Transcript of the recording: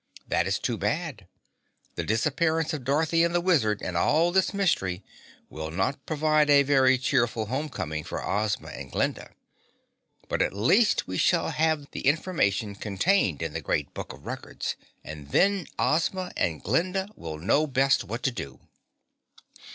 That is too bad. The disappearance of Dorothy and the Wizard and all this mystery will not provide a very cheerful homecoming for Ozma and Glinda. But at least we shall have the information contained in the Great Book of Records, and then Ozma and Glinda will know best what to do."